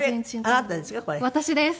私です。